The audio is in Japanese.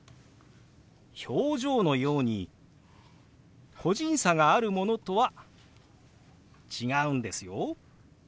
表情のように個人差があるものとは違うんですよ。